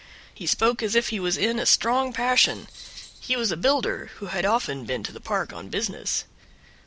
He spoke as if he was in a strong passion. He was a builder who had often been to the park on business.